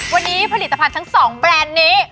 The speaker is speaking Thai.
วันนี้ผลิตภัณฑ์ทั้ง๒แบรนด์นี้